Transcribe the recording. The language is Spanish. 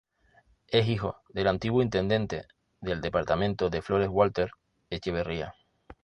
Es hijo del antiguo intendente del departamento de Flores Walter Echeverría.